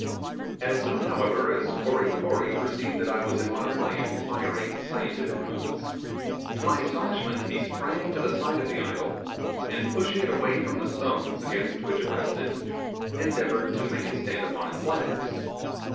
As soon, however, as Kory Kory perceived that I was in one of my inquiring, scientific moods, to my astonishment, he sprang to the side of the idol, and pushing it away from the stones against which it rested, endeavoured to make it stand upon its legs.